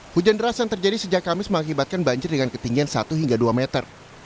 hujan deras yang terjadi sejak kamis mengakibatkan banjir dengan ketinggian satu hingga dua meter